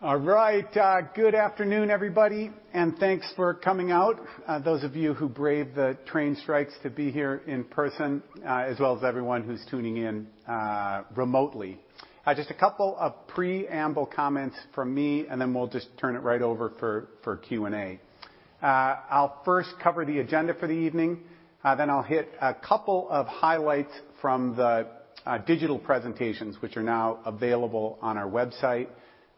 All right. Good afternoon, everybody, and thanks for coming out, those of you who braved the train strikes to be here in person, as well as everyone who's tuning in remotely. Just a couple of preamble comments from me, and then we'll just turn it right over for Q&A. I'll first cover the agenda for the evening, then I'll hit a couple of highlights from the digital presentations which are now available on our website,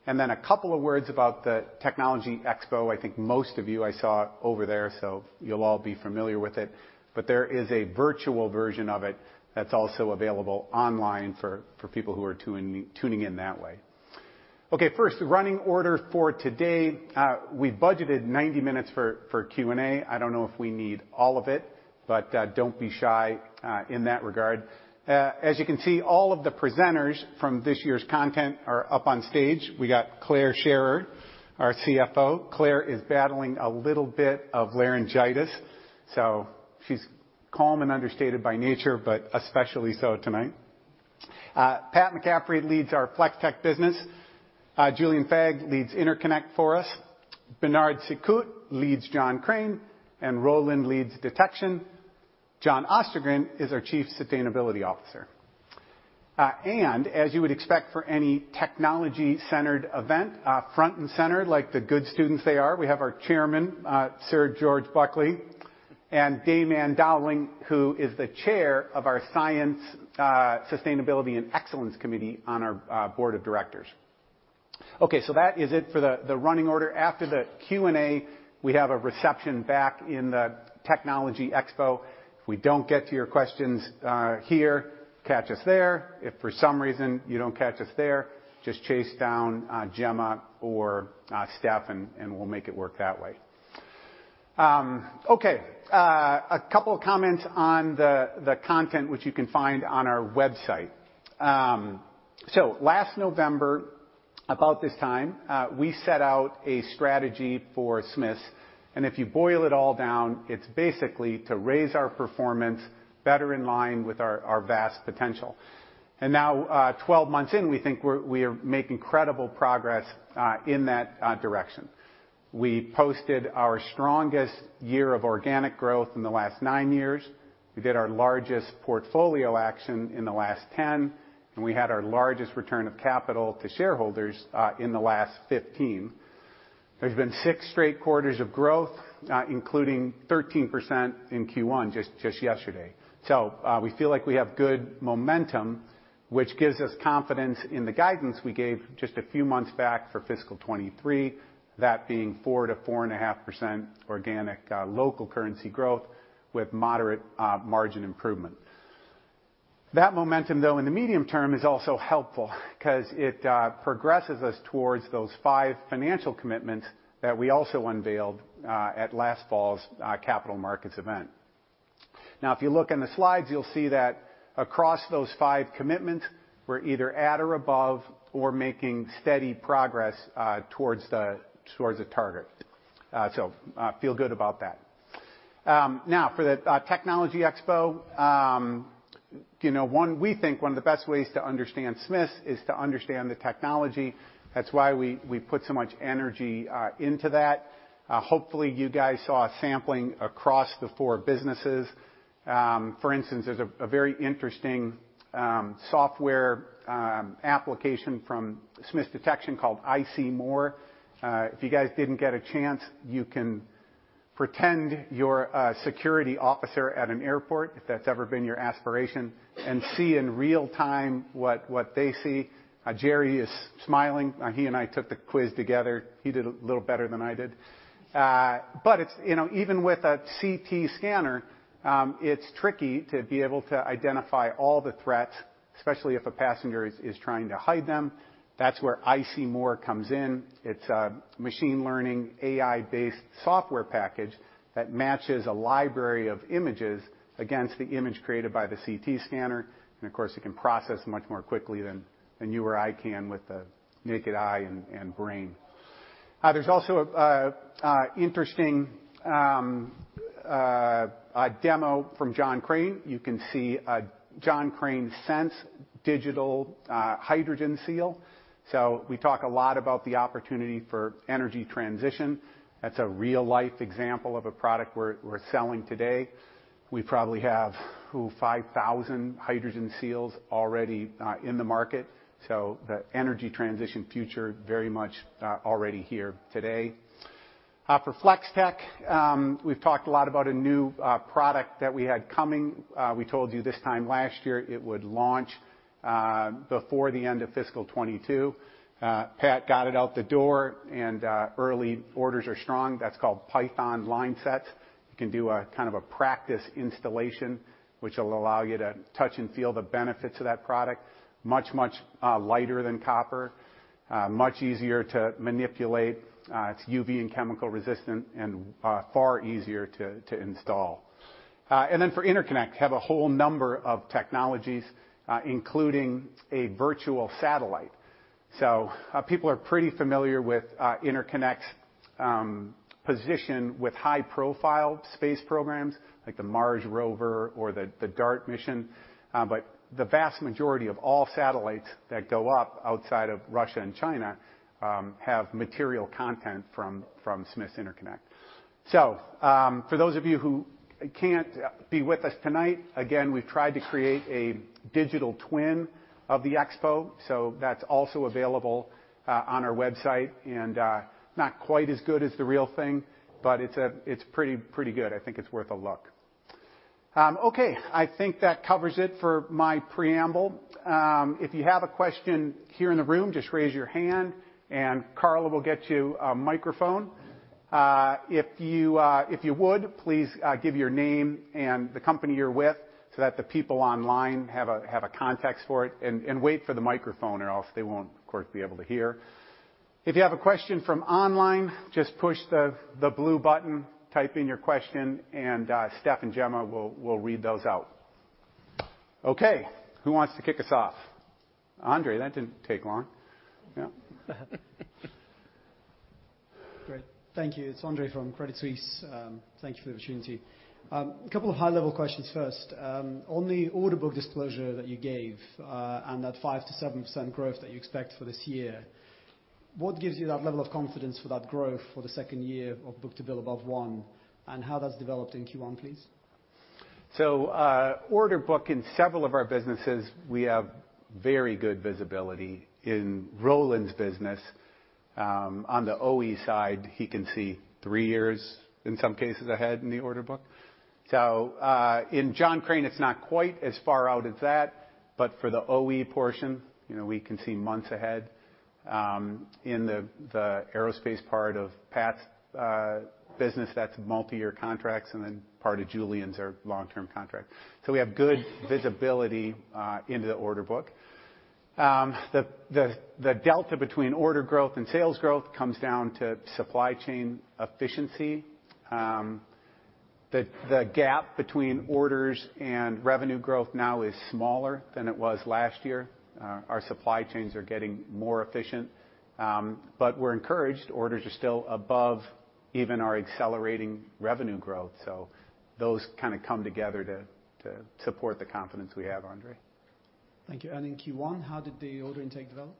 and then a couple of words about the technology expo. I think most of you I saw over there, so you'll all be familiar with it. There is a virtual version of it that's also available online for people who are tuning in that way. Okay. First, the running order for today. We've budgeted 90 minutes for Q&A. I don't know if we need all of it, but don't be shy in that regard. As you can see, all of the presenters from this year's content are up on stage. We got Clare Scherrer, our CFO. Clare is battling a little bit of laryngitis, so she's calm and understated by nature, but especially so tonight. Pat McCaffrey leads our Flex-Tek business. Julian Fagge leads Interconnect for us. Bernard Cicut leads John Crane, and Roland leads Detection. John Ostergren is our Chief Sustainability Officer. As you would expect for any technology-centered event, front and center, like the good students they are, we have our chairman, Sir George Buckley and Dame Ann Dowling, who is the Chair of our Science, Sustainability and Excellence Committee on our board of directors. Okay, so that is it for the running order. After the Q&A, we have a reception back in the technology expo. If we don't get to your questions here, catch us there. If for some reason you don't catch us there, just chase down Jemma or Steph and we'll make it work that way. Okay. A couple of comments on the content which you can find on our website. Last November, about this time, we set out a strategy for Smiths, and if you boil it all down, it's basically to raise our performance better in line with our vast potential. Now, 12 months in, we think we are making credible progress in that direction. We posted our strongest year of organic growth in the last 9 years. We did our largest portfolio action in the last 10, and we had our largest return of capital to shareholders in the last 15. There's been 6 straight quarters of growth, including 13% in Q1 just yesterday. We feel like we have good momentum, which gives us confidence in the guidance we gave just a few months back for fiscal 2023. That being 4%-4.5% organic local currency growth with moderate margin improvement. That momentum, though, in the medium term is also helpful 'cause it progresses us towards those five financial commitments that we also unveiled at last fall's capital markets event. Now, if you look in the slides, you'll see that across those five commitments, we're either at or above or making steady progress towards the target. Feel good about that. Now, for the technology expo, we think one of the best ways to understand Smiths is to understand the technology. That's why we put so much energy into that. Hopefully you guys saw a sampling across the four businesses. For instance, there's a very interesting software application from Smiths Detection called iCMORE. If you guys didn't get a chance, you can pretend you're a security officer at an airport, if that's ever been your aspiration, and see in real time what they see. Jerry is smiling. He and I took the quiz together. He did a little better than I did. It's, you know, even with a CT scanner, it's tricky to be able to identify all the threats, especially if a passenger is trying to hide them. That's where iCMORE comes in. It's a machine learning, AI-based software package that matches a library of images against the image created by the CT scanner. Of course, it can process much more quickly than you or I can with the naked eye and brain. There's also an interesting demo from John Crane. You can see a John Crane Sense digital hydrogen seal. We talk a lot about the opportunity for energy transition. That's a real-life example of a product we're selling today. We probably have 5,000 hydrogen seals already in the market. The energy transition future very much already here today. For Flex-Tek, we've talked a lot about a new product that we had coming. We told you this time last year it would launch before the end of fiscal 2022. Pat got it out the door and early orders are strong. That's called Python Line Set. You can do a kind of a practice installation, which will allow you to touch and feel the benefits of that product. Much lighter than copper, much easier to manipulate. It's UV and chemical resistant and far easier to install. For Interconnect, have a whole number of technologies, including a virtual satellite. People are pretty familiar with Interconnect's position with high-profile space programs like the Mars Rover or the DART mission. The vast majority of all satellites that go up outside of Russia and China have material content from Smiths Interconnect. For those of you who can't be with us tonight, again, we've tried to create a digital twin of the expo, so that's also available on our website. Not quite as good as the real thing, but it's pretty good. I think it's worth a look. Okay, I think that covers it for my preamble. If you have a question here in the room, just raise your hand and Carla will get you a microphone. If you would, please, give your name and the company you're with so that the people online have a context for it. Wait for the microphone or else they won't, of course, be able to hear. If you have a question from online, just push the blue button, type in your question and, Steph and Jemma will read those out. Okay. Who wants to kick us off? Andre, that didn't take long. Yeah. Great. Thank you. It's Andre from Credit Suisse. Thank you for the opportunity. A couple of high-level questions first. On the order book disclosure that you gave, and that 5%-7% growth that you expect for this year, what gives you that level of confidence for that growth for the second year of book-to-bill above one, and how that's developed in Q1, please? Order book in several of our businesses, we have very good visibility. In Roland's business, on the OE side, he can see three years in some cases ahead in the order book. In John Crane, it's not quite as far out as that, but for the OE portion, you know, we can see months ahead. In the aerospace part of Pat's business, that's multiyear contracts, and then part of Julian's are long-term contracts. We have good visibility into the order book. The delta between order growth and sales growth comes down to supply chain efficiency. The gap between orders and revenue growth now is smaller than it was last year. Our supply chains are getting more efficient, but we're encouraged. Orders are still above even our accelerating revenue growth. Those kinda come together to support the confidence we have, Andrew. Thank you. In Q1, how did the order intake develop?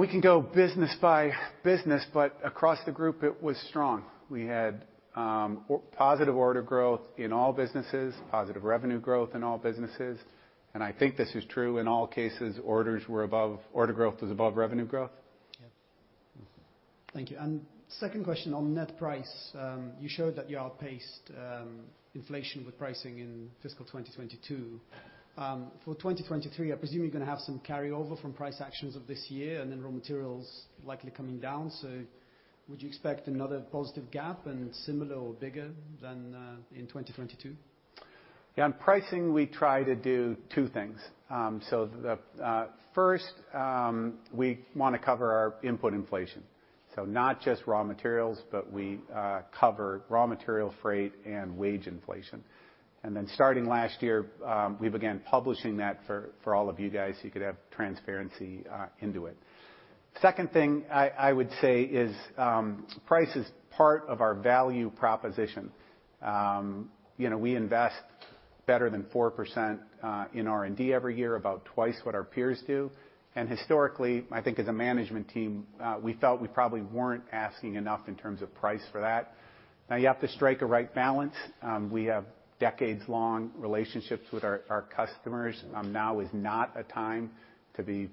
We can go business by business, but across the group it was strong. We had positive order growth in all businesses, positive revenue growth in all businesses, and I think this is true in all cases, order growth was above revenue growth. Yeah. Thank you. Second question on net price. You showed that you outpaced inflation with pricing in fiscal 2022. For 2023, I presume you're gonna have some carryover from price actions of this year and then raw materials likely coming down. Would you expect another positive gap and similar or bigger than in 2022? Yeah. On pricing, we try to do two things. The first, we wanna cover our input inflation. Not just raw materials, but we cover raw material freight and wage inflation. Then starting last year, we began publishing that for all of you guys, so you could have transparency into it. Second thing I would say is, price is part of our value proposition. You know, we invest better than 4% in R&D every year, about twice what our peers do. Historically, I think as a management team, we felt we probably weren't asking enough in terms of price for that. Now you have to strike a right balance. We have decades-long relationships with our customers. Now is not a time to be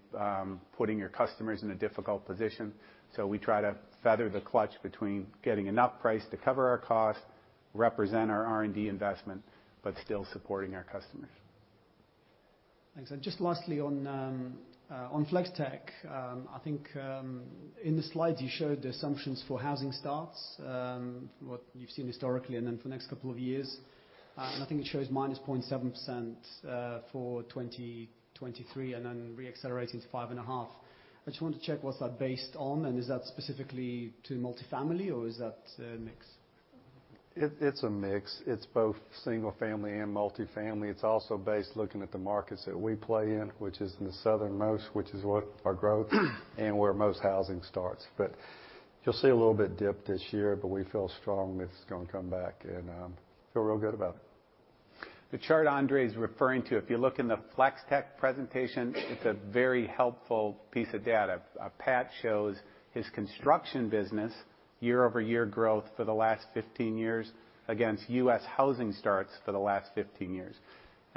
putting your customers in a difficult position. We try to feather the clutch between getting enough price to cover our costs, represent our R&D investment, but still supporting our customers. Thanks. Just lastly on Flex-Tek. I think in the slides you showed the assumptions for housing starts, what you've seen historically and then for the next couple of years. I think it shows -0.7% for 2023 and then re-accelerating to 5.5. I just want to check what's that based on, and is that specifically to multifamily or is that a mix? It's a mix. It's both single family and multifamily. It's also based looking at the markets that we play in, which is in the southernmost, which is what our growth and where most housing starts. You'll see a little bit dip this year, but we feel strong it's gonna come back and feel real good about it. The chart Andre is referring to, if you look in the Flex-Tek presentation, it's a very helpful piece of data. Pat shows his construction business year-over-year growth for the last 15 years against U.S. housing starts for the last 15 years.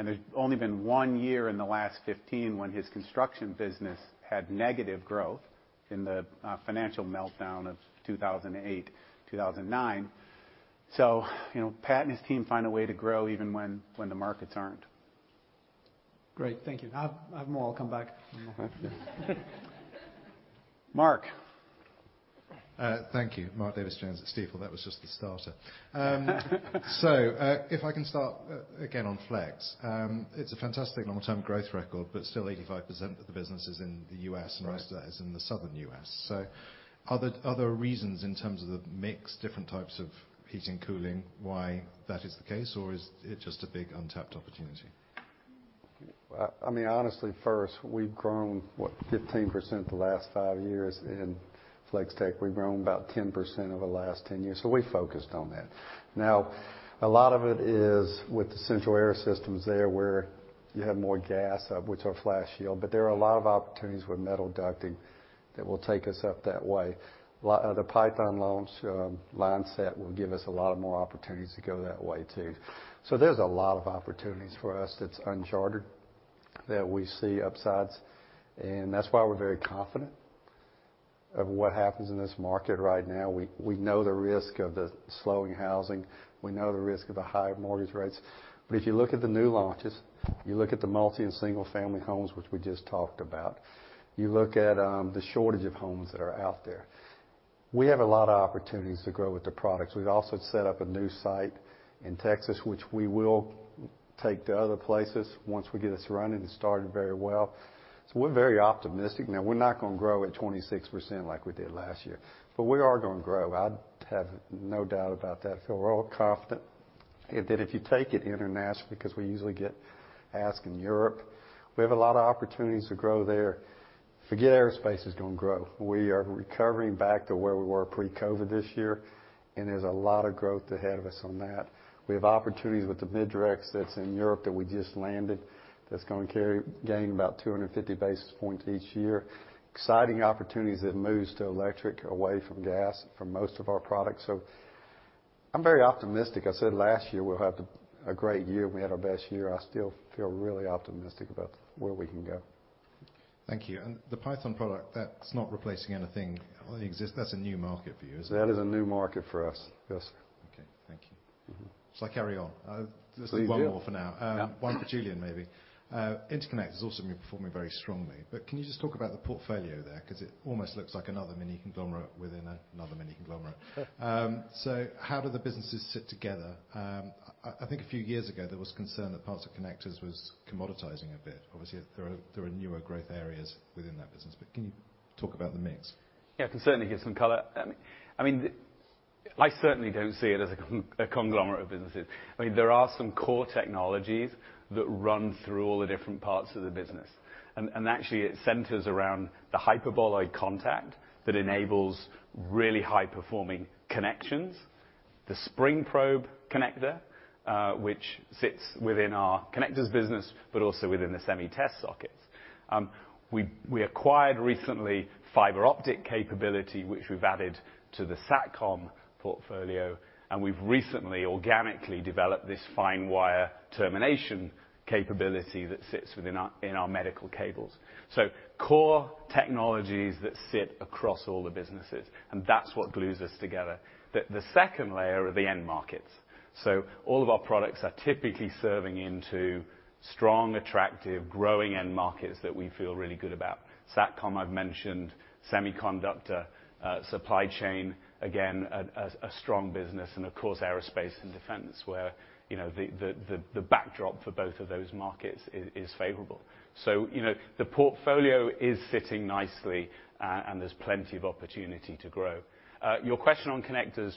There's only been one year in the last 15 when his construction business had negative growth in the financial meltdown of 2008, 2009. You know, Pat and his team find a way to grow even when the markets aren't. Great. Thank you. I'll have more. I'll come back. Mark. Thank you. Mark Davies Jones at Stifel. That was just the starter. If I can start again on Flex. It's a fantastic long-term growth record, but still 85% of the business is in the U.S.- Right. The rest of that is in the Southern U.S. Are there reasons in terms of the mix, different types of heating, cooling, why that is the case, or is it just a big untapped opportunity? I mean, honestly, first, we've grown, what? 15% the last five years in Flex-Tek. We've grown about 10% over the last ten years, so we focused on that. Now, a lot of it is with the central air systems there, where you have more gas, which are FlashShield. There are a lot of opportunities with metal ducting that will take us up that way. The Python line set will give us a lot more opportunities to go that way, too. There's a lot of opportunities for us that's uncharted that we see upsides, and that's why we're very confident of what happens in this market right now. We know the risk of the slowing housing. We know the risk of the higher mortgage rates. If you look at the new launches, you look at the multi and single family homes, which we just talked about. You look at the shortage of homes that are out there. We have a lot of opportunities to grow with the products. We've also set up a new site in Texas, which we will take to other places once we get it surrounded. It's starting very well. We're very optimistic. Now we're not gonna grow at 26% like we did last year, but we are gonna grow. I have no doubt about that. Feel we're all confident. If you take it internationally, 'cause we usually get asked in Europe, we have a lot of opportunities to grow there. Forget aerospace is gonna grow. We are recovering back to where we were pre-COVID this year, and there's a lot of growth ahead of us on that. We have opportunities with the Midrex that's in Europe that we just landed, that's gonna carry gain about 250 basis points each year. Exciting opportunities as it moves to electric, away from gas for most of our products. I'm very optimistic. I said last year we'll have a great year, and we had our best year. I still feel really optimistic about where we can go. Thank you. The Python product, that's not replacing anything. Well, it exists. That's a new market for you, isn't it? That is a new market for us, yes. Okay, thank you. Mm-hmm. Shall I carry on? Please do. Just one more for now. Yeah. One for Julian, maybe. Interconnect is also been performing very strongly, but can you just talk about the portfolio there? 'Cause it almost looks like another mini conglomerate within another mini conglomerate. So how do the businesses sit together? I think a few years ago, there was concern that parts of connectors was commoditizing a bit. Obviously, there are newer growth areas within that business, but can you talk about the mix? Yeah, I can certainly give some color. I mean, I certainly don't see it as a conglomerate of businesses. I mean, there are some core technologies that run through all the different parts of the business, and actually it centers around the hyperboloid contact that enables really high-performing connections. The spring probe connector, which sits within our connectors business, but also within the semiconductor test sockets. We acquired recently fiber optic capability, which we've added to the SATCOM portfolio, and we've recently organically developed this fine wire termination capability that sits within our medical cables. Core technologies that sit across all the businesses, and that's what glues us together. The second layer are the end markets. All of our products are typically serving into strong, attractive, growing end markets that we feel really good about. SATCOM, I've mentioned. Semiconductor supply chain, again, a strong business and of course, aerospace and defense, where, you know, the backdrop for both of those markets is favorable. You know, the portfolio is fitting nicely, and there's plenty of opportunity to grow. Your question on connectors.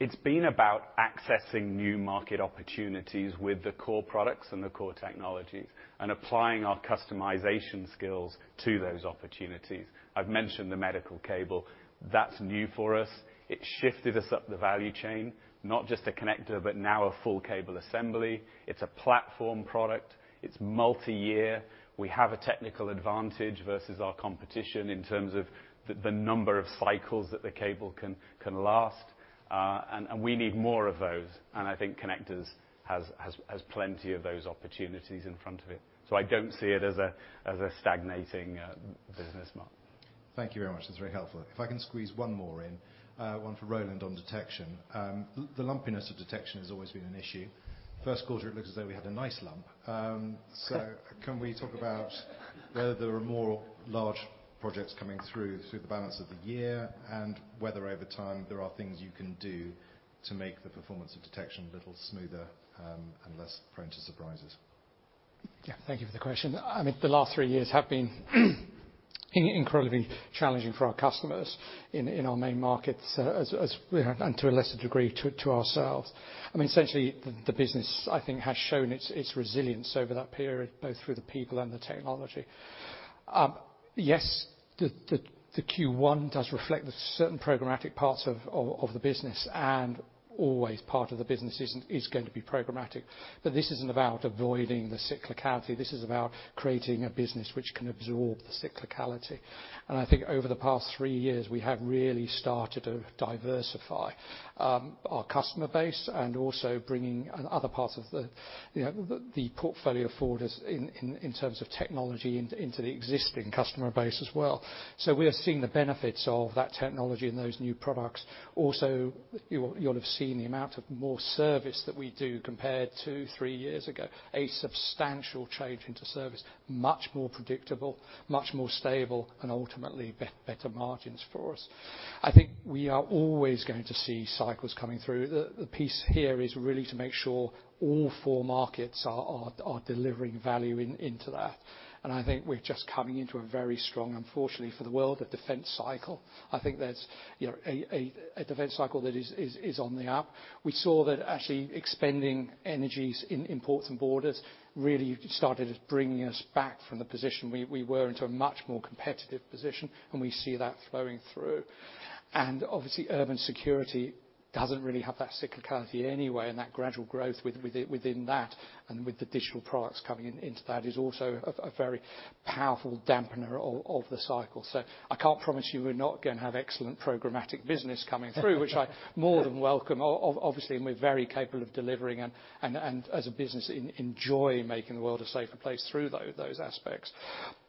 It's been about accessing new market opportunities with the core products and the core technologies and applying our customization skills to those opportunities. I've mentioned the medical cable. That's new for us. It shifted us up the value chain, not just a connector, but now a full cable assembly. It's a platform product. It's multi-year. We have a technical advantage versus our competition in terms of the number of cycles that the cable can last. We need more of those, and I think connectors has plenty of those opportunities in front of it. I don't see it as a stagnating business, Mark. Thank you very much. That's very helpful. If I can squeeze one more in, one for Roland on detection. The lumpiness of detection has always been an issue. First quarter, it looks as though we had a nice lump. Can we talk about whether there are more large projects coming through the balance of the year and whether over time there are things you can do to make the performance of detection a little smoother, and less prone to surprises. Yeah. Thank you for the question. I mean, the last three years have been incredibly challenging for our customers in our main markets, as we have, and to a lesser degree to ourselves. I mean, essentially the business, I think, has shown its resilience over that period, both through the people and the technology. Yes, the Q1 does reflect the certain programmatic parts of the business and always part of the business is going to be programmatic. This isn't about avoiding the cyclicality. This is about creating a business which can absorb the cyclicality. I think over the past three years, we have really started to diversify our customer base and also bringing in other parts of the, you know, the portfolio forward as in terms of technology into the existing customer base as well. We are seeing the benefits of that technology and those new products. Also, you'll have seen the amount of more service that we do compared to three years ago, a substantial change into service, much more predictable, much more stable and ultimately better margins for us. I think we are always going to see cycles coming through. The piece here is really to make sure all four markets are delivering value into that. I think we're just coming into a very strong, unfortunately for the world, a defense cycle. I think that's, you know, a defense cycle that is on the up. We saw that actually expending energies in imports and borders really started bringing us back from the position we were into a much more competitive position, and we see that flowing through. Obviously, urban security doesn't really have that cyclicality anyway, and that gradual growth within that and with the digital products coming in, into that is also a very powerful dampener of the cycle. I can't promise you we're not gonna have excellent programmatic business coming through which I more than welcome. Obviously, and we're very capable of delivering and as a business, enjoy making the world a safer place through those aspects.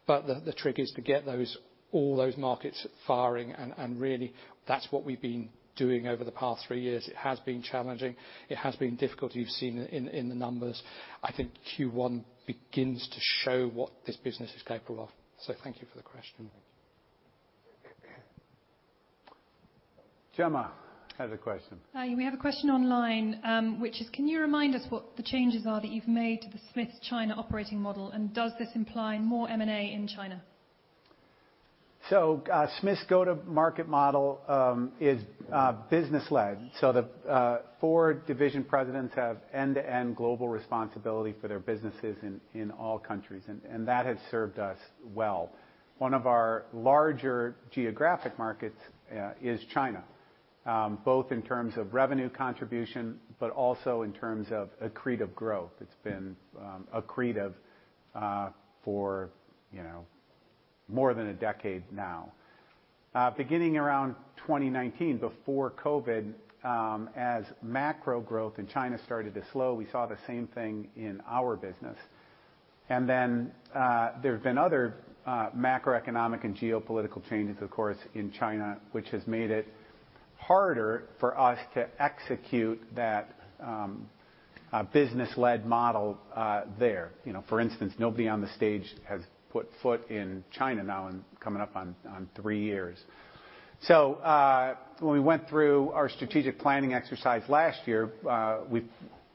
The trick is to get those, all those markets firing and really that's what we've been doing over the past three years. It has been challenging. It has been difficult. You've seen it in the numbers. I think Q1 begins to show what this business is capable of. Thank you for the question. Jemma had a question. We have a question online, which is, Can you remind us what the changes are that you've made to the Smiths China operating model, and does this imply more M&A in China? Smiths' go-to-market model is business-led, so the four division presidents have end-to-end global responsibility for their businesses in all countries, and that has served us well. One of our larger geographic markets is China, both in terms of revenue contribution, but also in terms of accretive growth. It's been accretive for, you know, more than a decade now. Beginning around 2019, before COVID, as macro growth in China started to slow, we saw the same thing in our business. Then there have been other macroeconomic and geopolitical changes, of course, in China, which has made it harder for us to execute that business-led model there. You know, for instance, nobody on the stage has put foot in China now in coming up on three years. When we went through our strategic planning exercise last year, we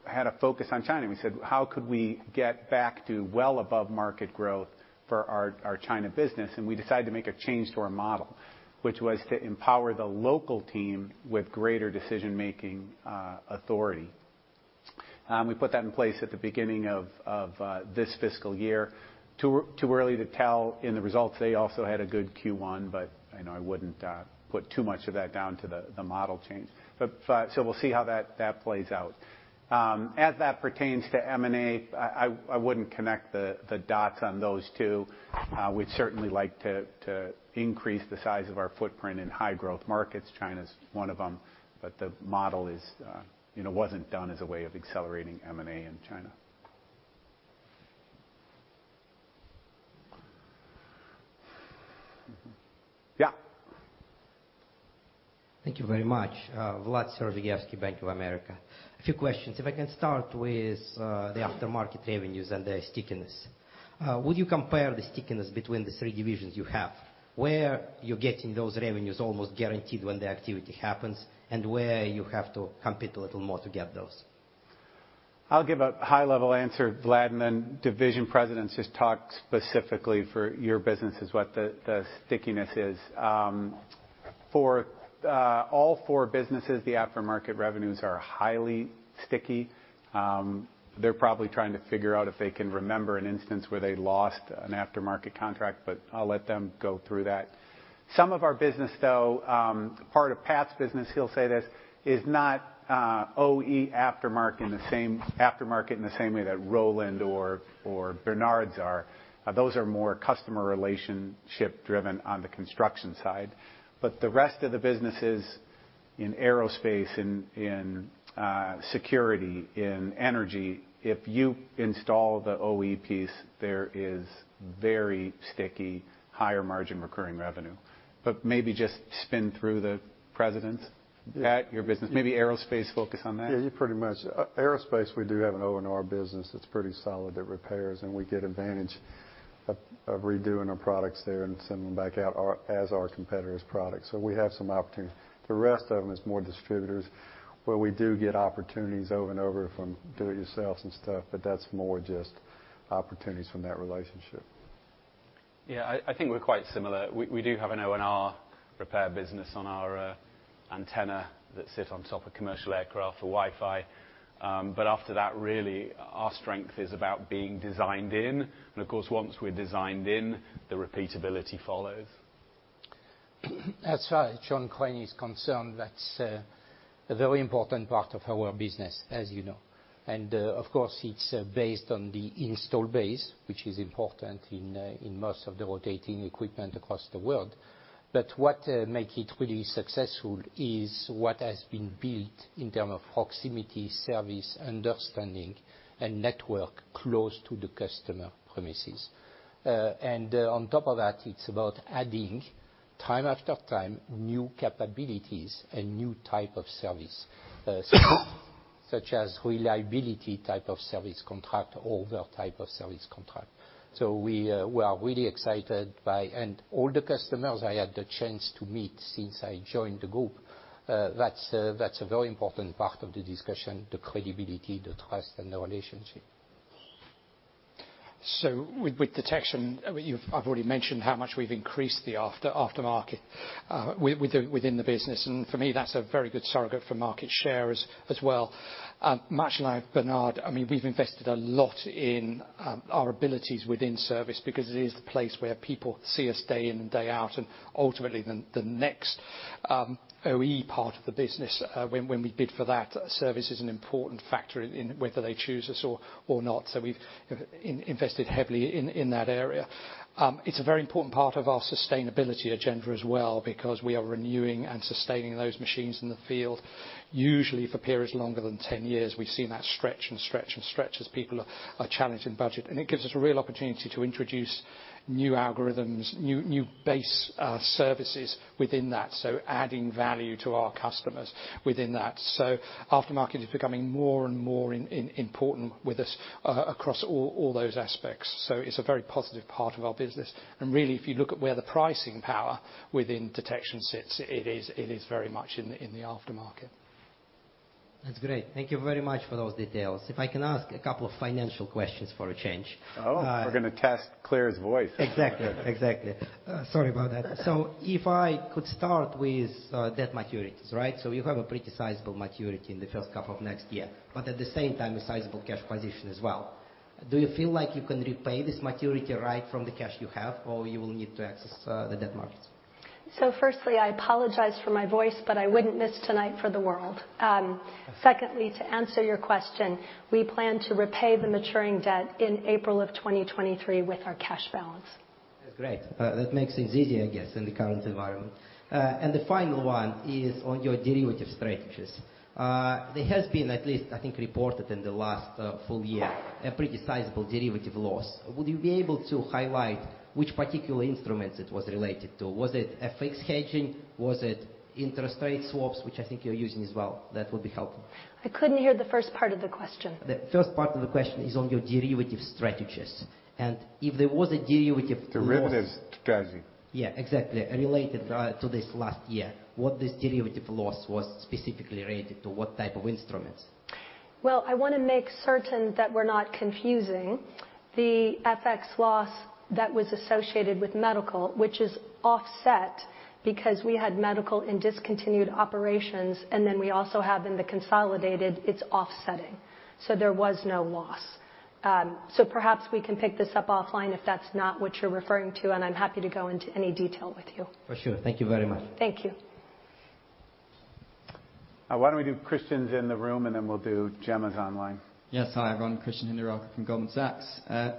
had a focus on China, and we said, "How could we get back to well above market growth for our China business?" We decided to make a change to our model, which was to empower the local team with greater decision-making authority. We put that in place at the beginning of this fiscal year. Too early to tell in the results. They also had a good Q1, but you know, I wouldn't put too much of that down to the model change. We'll see how that plays out. As that pertains to M&A, I wouldn't connect the dots on those two. We'd certainly like to increase the size of our footprint in high growth markets. China's one of them, but the model is, you know, wasn't done as a way of accelerating M&A in China. Yeah. Thank you very much. Vladimir Sergievskiy, Bank of America. A few questions. If I can start with the aftermarket revenues and the stickiness. Would you compare the stickiness between the three divisions you have? Where you're getting those revenues almost guaranteed when the activity happens, and where you have to compete a little more to get those? I'll give a high level answer, Vlad, and then division presidents just talk specifically for your businesses, what the stickiness is. For all four businesses, the aftermarket revenues are highly sticky. They're probably trying to figure out if they can remember an instance where they lost an aftermarket contract, but I'll let them go through that. Some of our business, though, part of Pat's business, he'll say this, is not OE aftermarket in the same way that Roland or Bernard's are. Those are more customer relationship driven on the construction side. The rest of the businesses in aerospace, security, in energy, if you install the OE piece, there is very sticky, higher margin recurring revenue. Maybe just spin through the presidents. Pat, your business, maybe aerospace, focus on that. Yeah, you pretty much. Aerospace, we do have an MRO business that's pretty solid. It repairs, and we get advantage of redoing our products there and sending them back out as our competitors' products. We have some opportunities. The rest of them is more distributors where we do get opportunities over and over from do it yourselves and stuff, but that's more just opportunities from that relationship. Yeah, I think we're quite similar. We do have an MRO repair business on our antenna that sit on top of commercial aircraft for Wi-Fi. But after that, really, our strength is about being designed in. Of course, once we're designed in, the repeatability follows. As far as John Crane is concerned, that's a very important part of our business, as you know. Of course, it's based on the installed base, which is important in most of the rotating equipment across the world. What makes it really successful is what has been built in terms of proximity, service, understanding, and network close to the customer premises. On top of that, it's about adding time after time new capabilities and new types of service, such as reliability types of service contracts or other types of service contracts. We are really excited by and all the customers I had the chance to meet since I joined the group, that's a very important part of the discussion, the credibility, the trust, and the relationship. With detection, I mean, I've already mentioned how much we've increased the aftermarket within the business, and for me, that's a very good surrogate for market share as well. Much like Bernard, I mean, we've invested a lot in our abilities within service because it is the place where people see us day in and day out, and ultimately the next OE part of the business, when we bid for that, service is an important factor in whether they choose us or not. We've invested heavily in that area. It's a very important part of our sustainability agenda as well because we are renewing and sustaining those machines in the field, usually for periods longer than 10 years. We've seen that stretch and stretch and stretch as people are challenged in budget, and it gives us a real opportunity to introduce new algorithms, new base services within that, so adding value to our customers within that. Aftermarket is becoming more and more important with us across all those aspects. It's a very positive part of our business. Really, if you look at where the pricing power within detection sits, it is very much in the aftermarket. That's great. Thank you very much for those details. If I can ask a couple of financial questions for a change. Oh, we're gonna test Clare's voice. Exactly. Sorry about that. If I could start with debt maturities, right? You have a pretty sizable maturity in the first half of next year, but at the same time, a sizable cash position as well. Do you feel like you can repay this maturity right from the cash you have, or you will need to access the debt markets? Firstly, I apologize for my voice, but I wouldn't miss tonight for the world. Secondly, to answer your question, we plan to repay the maturing debt in April 2023 with our cash balance. That's great. That makes things easier, I guess, in the current environment. The final one is on your derivative strategies. There has been at least, I think, reported in the last full year, a pretty sizable derivative loss. Would you be able to highlight which particular instruments it was related to? Was it FX hedging? Was it interest rate swaps, which I think you're using as well? That would be helpful. I couldn't hear the first part of the question. The first part of the question is on your derivative strategies. If there was a derivative loss- Derivatives hedging. Yeah, exactly. Related to this last year, what this derivative loss was specifically related to, what type of instruments? Well, I wanna make certain that we're not confusing the FX loss that was associated with medical, which is offset because we had medical and discontinued operations, and then we also have in the consolidated, it's offsetting. There was no loss. Perhaps we can pick this up offline if that's not what you're referring to, and I'm happy to go into any detail with you. For sure. Thank you very much. Thank you. Why don't we do Christian's in the room, and then we'll do Jemma's online. Yes. Hi, everyone. Christian Hinderaker from Goldman Sachs.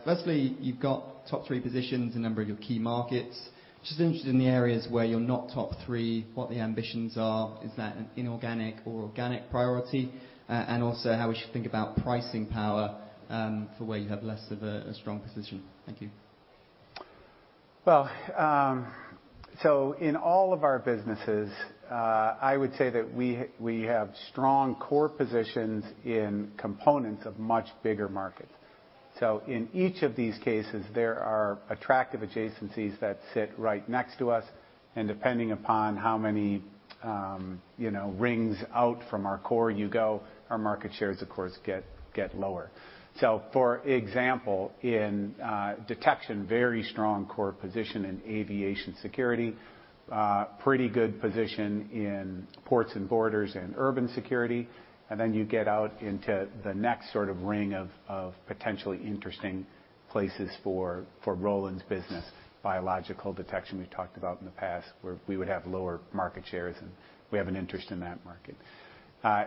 Firstly, you've got top three positions in a number of your key markets. Just interested in the areas where you're not top three, what the ambitions are, is that an inorganic or organic priority? And also how we should think about pricing power, for where you have less of a strong position. Thank you. In all of our businesses, I would say that we have strong core positions in components of much bigger markets. In each of these cases, there are attractive adjacencies that sit right next to us, and depending upon how many, you know, rings out from our core you go, our market shares, of course, get lower. For example, in detection, very strong core position in aviation security, pretty good position in ports and borders and urban security, and then you get out into the next sort of ring of potentially interesting places for Roland's business, biological detection we talked about in the past, where we would have lower market shares, and we have an interest in that market.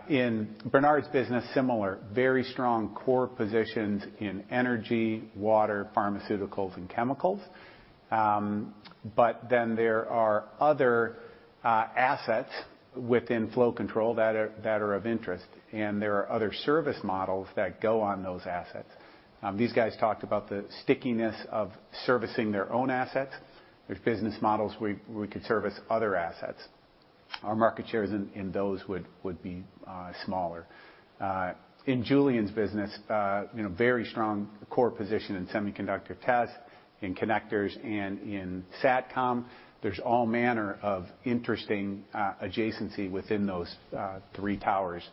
In Bernard's business, similar. Very strong core positions in energy, water, pharmaceuticals, and chemicals. There are other assets within flow control that are of interest, and there are other service models that go on those assets. These guys talked about the stickiness of servicing their own assets. There's business models we could service other assets. Our market shares in those would be smaller. In Julian's business, you know, very strong core position in semiconductor tests, in connectors, and in SATCOM. There's all manner of interesting adjacency within those three towers.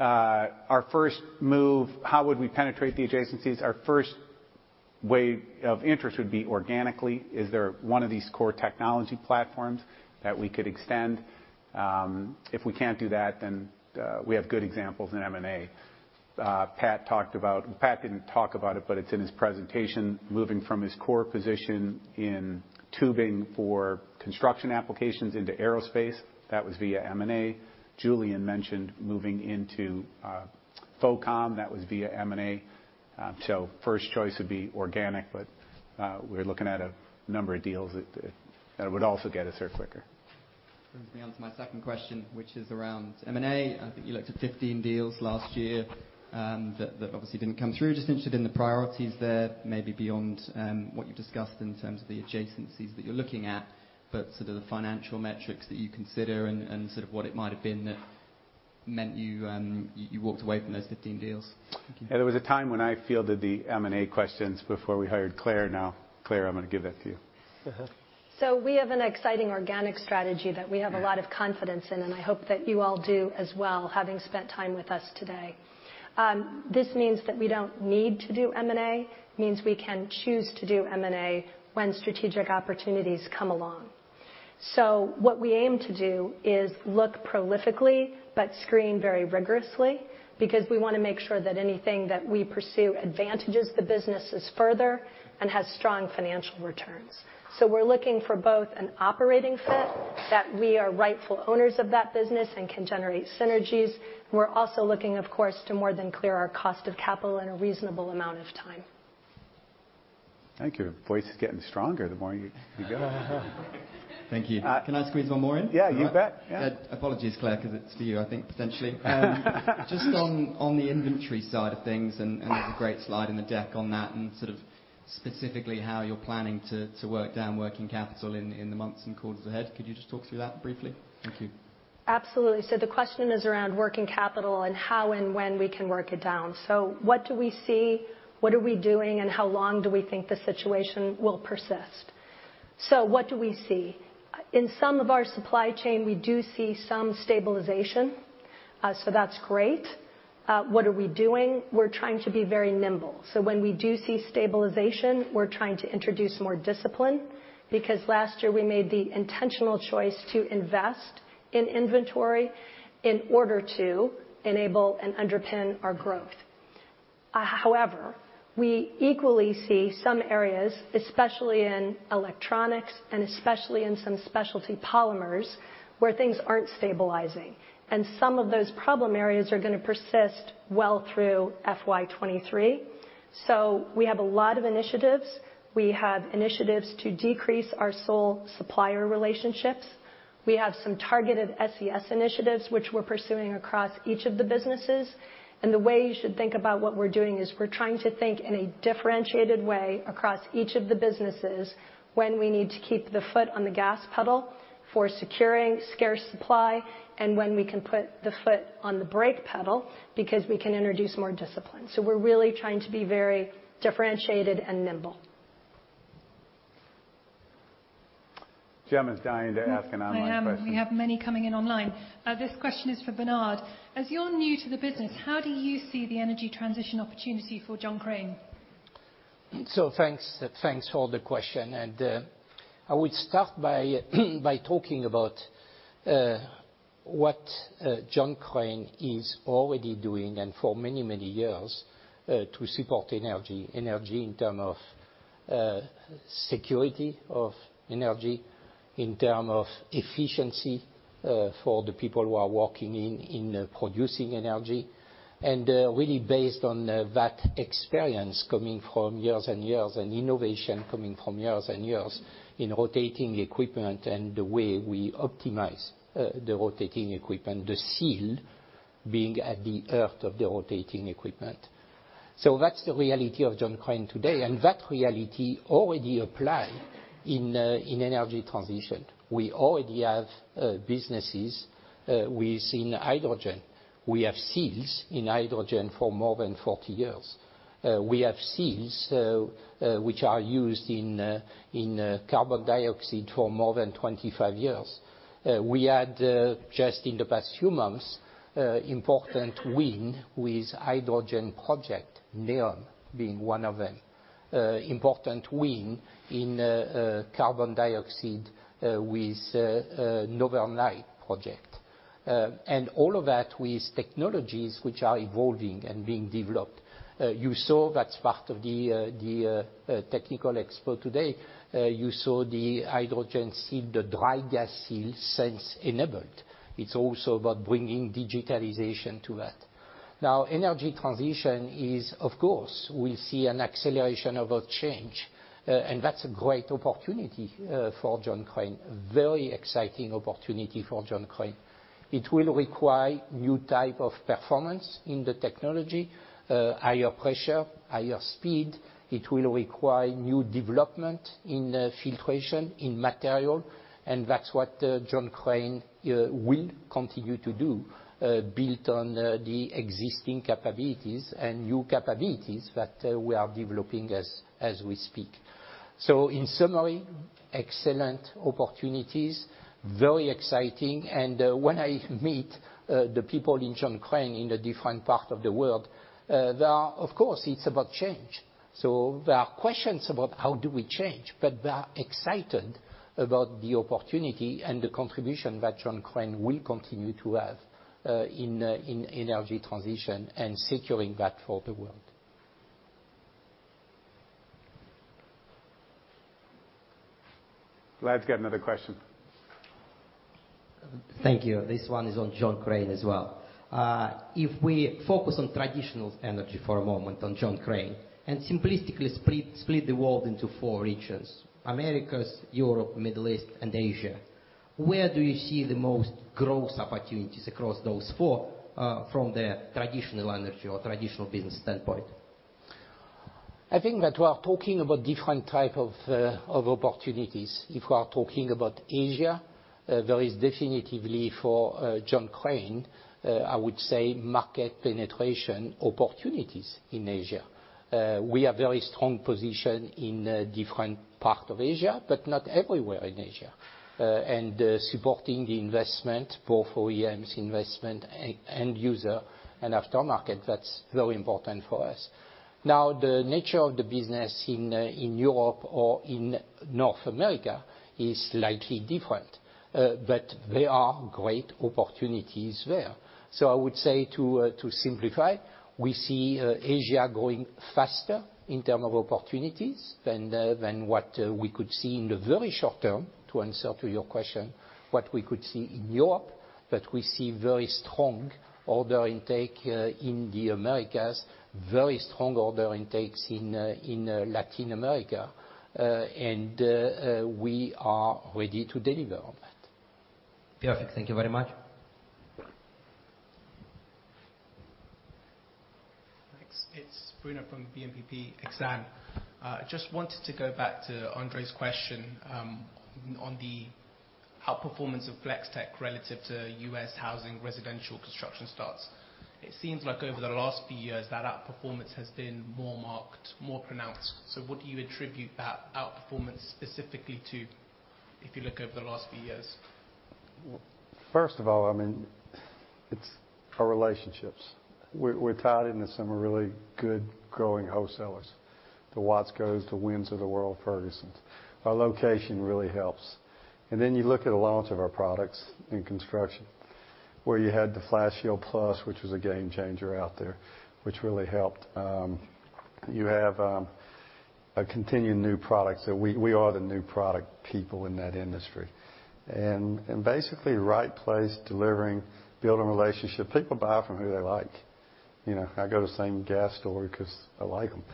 Our first move, how would we penetrate the adjacencies? Our first way of interest would be organically. Is there one of these core technology platforms that we could extend? If we can't do that, we have good examples in M&A. Pat talked about Pat didn't talk about it, but it's in his presentation, moving from his core position in tubing for construction applications into aerospace. That was via M&A. Julian mentioned moving into FoCom. That was via M&A. First choice would be organic, but we're looking at a number of deals that would also get us there quicker. Brings me on to my second question, which is around M&A. I think you looked at 15 deals last year, that obviously didn't come through. Just interested in the priorities there, maybe beyond what you've discussed in terms of the adjacencies that you're looking at, but sort of the financial metrics that you consider and sort of what it might have been that meant you walked away from those 15 deals. Thank you. Yeah, there was a time when I fielded the M&A questions before we hired Clare. Now, Clare, I'm gonna give that to you. Uh-huh. We have an exciting organic strategy that we have a lot of confidence in, and I hope that you all do as well, having spent time with us today. This means that we don't need to do M&A. It means we can choose to do M&A when strategic opportunities come along. What we aim to do is look prolifically but screen very rigorously, because we wanna make sure that anything that we pursue advantages the businesses further and has strong financial returns. We're looking for both an operating fit that we are rightful owners of that business and can generate synergies. We're also looking, of course, to more than clear our cost of capital in a reasonable amount of time. Thank you. Your voice is getting stronger the more you go. Thank you. Can I squeeze one more in? Yeah, you bet. Yeah. Apologies, Clare, 'cause it's for you, I think, potentially. Just on the inventory side of things, and there's a great slide in the deck on that, and sort of specifically how you're planning to work down working capital in the months and quarters ahead. Could you just talk through that briefly? Thank you. Absolutely. The question is around working capital and how and when we can work it down. What do we see? What are we doing, and how long do we think the situation will persist? What do we see? In some of our supply chain, we do see some stabilization, so that's great. What are we doing? We're trying to be very nimble. When we do see stabilization, we're trying to introduce more discipline, because last year we made the intentional choice to invest in inventory in order to enable and underpin our growth. However, we equally see some areas, especially in electronics and especially in some specialty polymers, where things aren't stabilizing. Some of those problem areas are gonna persist well through FY 2023. We have a lot of initiatives. We have initiatives to decrease our sole supplier relationships. We have some targeted SES initiatives which we're pursuing across each of the businesses. The way you should think about what we're doing is we're trying to think in a differentiated way across each of the businesses when we need to keep the foot on the gas pedal for securing scarce supply and when we can put the foot on the brake pedal because we can introduce more discipline. We're really trying to be very differentiated and nimble. Jemma's dying to ask an online question. I am. We have many coming in online. This question is for Bernard. As you're new to the business, how do you see the energy transition opportunity for John Crane? Thanks for the question. I would start by talking about what John Crane is already doing and for many years to support energy in terms of security of energy, in terms of efficiency, for the people who are working in producing energy, and really based on that experience coming from years and years and innovation coming from years and years in rotating equipment and the way we optimize the rotating equipment, the seal being at the heart of the rotating equipment. That's the reality of John Crane today, and that reality already apply in energy transition. We already have businesses within hydrogen. We have seals in hydrogen for more than 40 years. We have seals which are used in carbon dioxide for more than 25 years. We had just in the past few months important win with hydrogen project, NEOM being one of them. Important win in carbon dioxide with Northern Lights project. All of that with technologies which are evolving and being developed. You saw that's part of the technical expo today. You saw the hydrogen seal, the dry gas seal that's enabled. It's also about bringing digitalization to that. Now, energy transition is, of course. We see an acceleration of a change, and that's a great opportunity for John Crane, very exciting opportunity for John Crane. It will require new type of performance in the technology, higher pressure, higher speed. It will require new development in the filtration, in material, and that's what John Crane will continue to do, built on the existing capabilities and new capabilities that we are developing as we speak. In summary, excellent opportunities, very exciting. When I meet the people in John Crane in a different part of the world, there are, of course, it's about change. There are questions about how do we change, but they are excited about the opportunity and the contribution that John Crane will continue to have in energy transition and securing that for the world. Glad to get another question. Thank you. This one is on John Crane as well. If we focus on traditional energy for a moment on John Crane and simplistically split the world into four regions, Americas, Europe, Middle East, and Asia, where do you see the most growth opportunities across those four from the traditional energy or traditional business standpoint? I think that we are talking about different type of opportunities. If we are talking about Asia, there is definitely for John Crane, I would say market penetration opportunities in Asia. We are very strong position in different part of Asia, but not everywhere in Asia. Supporting the investment both OEMs investment, end user and aftermarket, that's very important for us. Now, the nature of the business in Europe or in North America is slightly different, but there are great opportunities there. I would say to simplify, we see Asia growing faster in term of opportunities than what we could see in the very short term, to answer to your question, what we could see in Europe. We see very strong order intake in the Americas, very strong order intakes in Latin America. We are ready to deliver on that. Perfect. Thank you very much. Thanks. It's Bruno from BNP Paribas Exane. Just wanted to go back to Andrew's question, on the outperformance of Flex-Tek relative to U.S. housing residential construction starts. It seems like over the last few years, that outperformance has been more marked, more pronounced. What do you attribute that outperformance specifically to, if you look over the last few years? First of all, I mean, it's our relationships. We're tied into some really good growing wholesalers. The Watsco, the Winsupply of the world, Ferguson. Our location really helps. Then you look at the launch of our products in construction, where you had the FlashShield+, which was a game changer out there, which really helped. You have a continued new products. So we are the new product people in that industry. Basically, right place, delivering, building relationship. People buy from who they like. You know, I go to the same gas store 'cause I like them.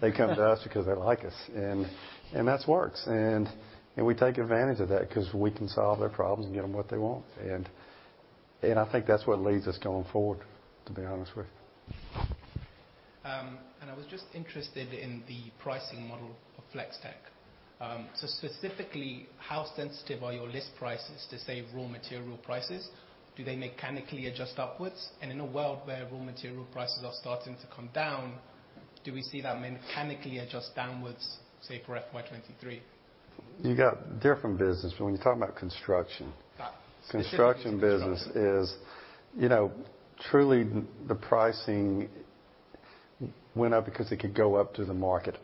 They come to us because they like us. That works. We take advantage of that 'cause we can solve their problems and get them what they want. I think that's what leads us going forward, to be honest with you. I was just interested in the pricing model of Flex-Tek. Specifically, how sensitive are your list prices to, say, raw material prices? Do they mechanically adjust upwards? In a world where raw material prices are starting to come down, do we see that mechanically adjust downwards, say, for FY 2023? You got different business when you're talking about construction. Ah. Construction business is, you know, truly the pricing went up because it could go up to the market.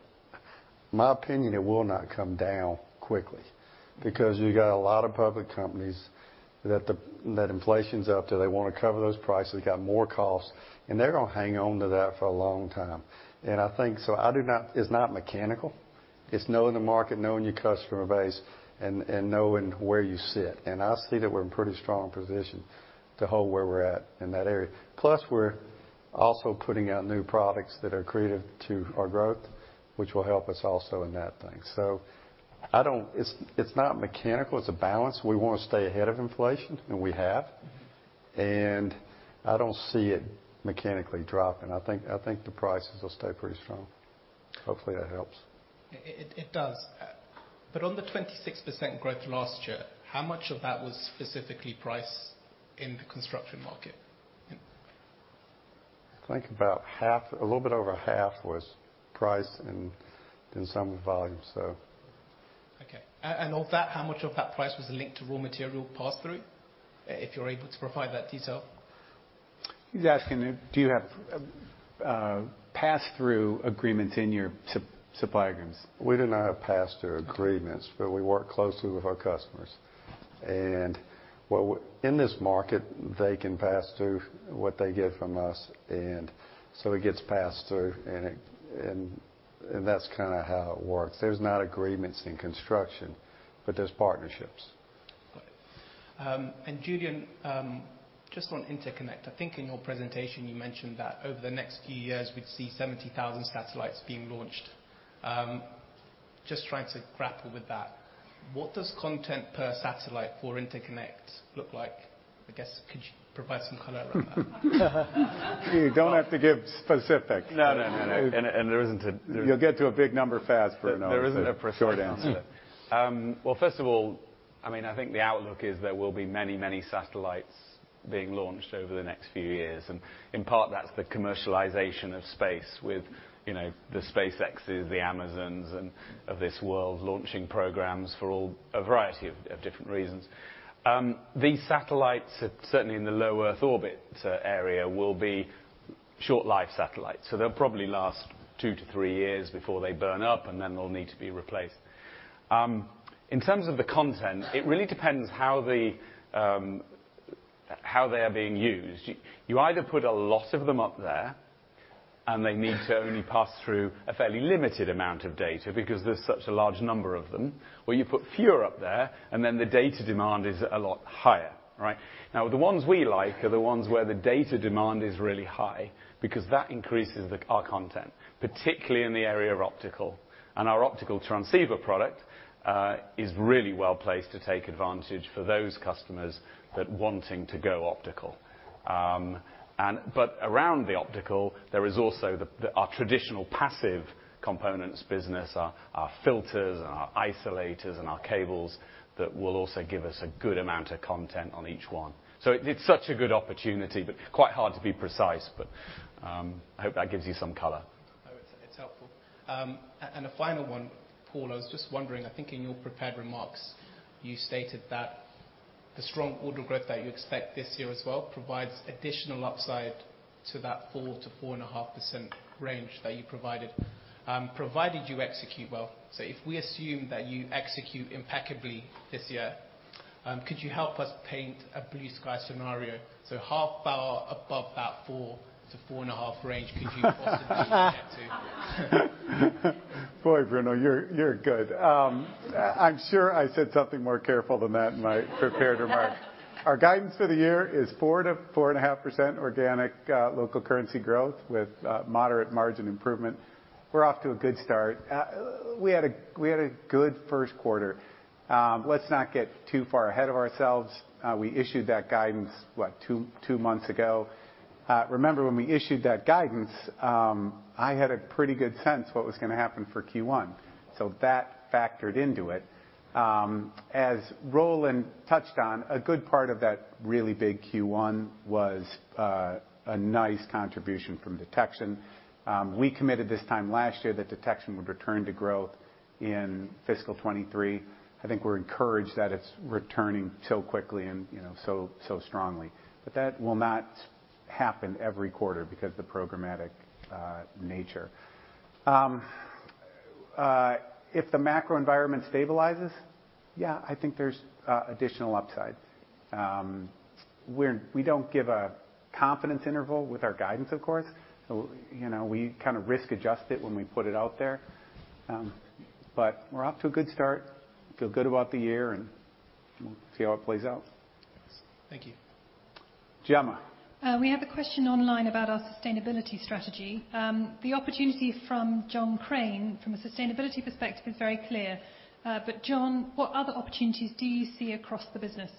My opinion, it will not come down quickly because you got a lot of public companies that inflation's up, that they wanna cover those prices, got more costs, and they're gonna hang on to that for a long time. It's not mechanical. It's knowing the market, knowing your customer base and knowing where you sit. I see that we're in pretty strong position to hold where we're at in that area. Plus, we're also putting out new products that are accretive to our growth, which will help us also in that thing. It's not mechanical, it's a balance. We wanna stay ahead of inflation, and we have. I don't see it mechanically dropping. I think the prices will stay pretty strong. Hopefully, that helps. It does. On the 26% growth last year, how much of that was specifically price in the construction market? I think about half, a little bit over half was price and some volume, so. Okay. Of that, how much of that price was linked to raw material pass-through, if you're able to provide that detail? He's asking if do you have pass-through agreements in your suppliers. We do not have pass-through agreements, but we work closely with our customers. In this market, they can pass through what they get from us, and so it gets passed through, and that's kinda how it works. There's not agreements in construction, but there's partnerships. Got it. Julian, just on Interconnect, I think in your presentation you mentioned that over the next few years we'd see 70,000 satellites being launched. Just trying to grapple with that, what does content per satellite for Interconnect look like? I guess could you provide some color around that? You don't have to give specifics. No. You'll get to a big number fast for, you know- There isn't a precise answer. Short answer. Well, first of all, I mean, I think the outlook is there will be many, many satellites being launched over the next few years. In part, that's the commercialization of space with, you know, the SpaceX, the Amazon and, of this world launching programs for all, a variety of different reasons. These satellites, certainly in the low Earth orbit area, will be short-life satellites. They'll probably last two years-three years before they burn up, and then they'll need to be replaced. In terms of the content, it really depends how they are being used. You either put a lot of them up there, and they need to only pass through a fairly limited amount of data because there's such a large number of them, or you put fewer up there, and then the data demand is a lot higher, right? Now, the ones we like are the ones where the data demand is really high because that increases our content, particularly in the area of optical. Our optical transceiver product is really well placed to take advantage for those customers that wanting to go optical. But around the optical, there is also our traditional passive components business, our filters and our isolators and our cables that will also give us a good amount of content on each one. It's such a good opportunity, but quite hard to be precise. I hope that gives you some color. It's helpful. A final one, Paul. I was just wondering. I think in your prepared remarks, you stated that the strong order growth that you expect this year as well provides additional upside to that 4%-4.5% range that you provided you execute well. If we assume that you execute impeccably this year, could you help us paint a blue sky scenario? How far above that 4%-4.5% range could you possibly get to? Boy, Bruno, you're good. I'm sure I said something more careful than that in my prepared remarks. Our guidance for the year is 4%-4.5% organic local currency growth with moderate margin improvement. We're off to a good start. We had a good first quarter. Let's not get too far ahead of ourselves. We issued that guidance, what, two months ago. Remember when we issued that guidance, I had a pretty good sense what was gonna happen for Q1, so that factored into it. As Roland touched on, a good part of that really big Q1 was a nice contribution from detection. We committed this time last year that detection would return to growth in fiscal 2023. I think we're encouraged that it's returning so quickly and, you know, so strongly. That will not happen every quarter because the programmatic nature. If the macro environment stabilizes, yeah, I think there's additional upside. We don't give a confidence interval with our guidance, of course. You know, we kind of risk adjust it when we put it out there. We're off to a good start. Feel good about the year, and we'll see how it plays out. Thanks. Thank you. Jemma. We have a question online about our sustainability strategy. The opportunity from John Crane from a sustainability perspective is very clear. John, what other opportunities do you see across the business?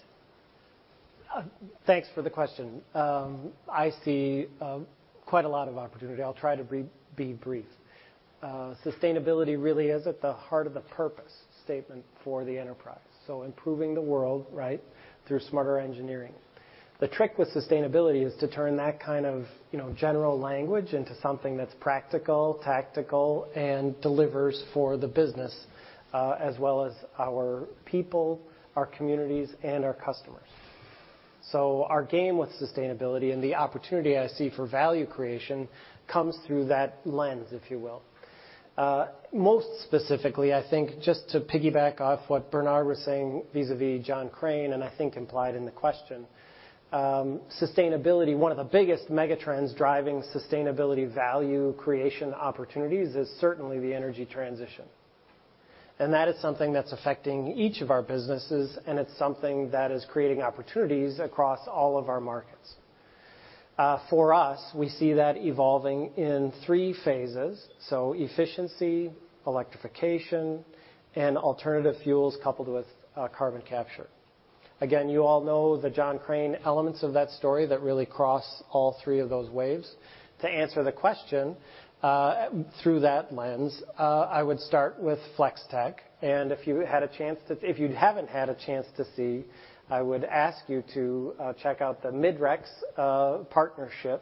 Thanks for the question. I see quite a lot of opportunity. I'll try to be brief. Sustainability really is at the heart of the purpose statement for the enterprise, so improving the world, right, through smarter engineering. The trick with sustainability is to turn that kind of, you know, general language into something that's practical, tactical, and delivers for the business, as well as our people, our communities, and our customers. Our game with sustainability and the opportunity I see for value creation comes through that lens, if you will. Most specifically, I think, just to piggyback off what Bernard was saying vis-à-vis John Crane, and I think implied in the question, sustainability, one of the biggest megatrends driving sustainability value creation opportunities is certainly the energy transition. That is something that's affecting each of our businesses, and it's something that is creating opportunities across all of our markets. For us, we see that evolving in three phases. Efficiency, electrification, and alternative fuels coupled with carbon capture. Again, you all know the John Crane elements of that story that really cross all three of those waves. To answer the question, through that lens, I would start with Flex-Tek. If you haven't had a chance to see, I would ask you to check out the Midrex partnership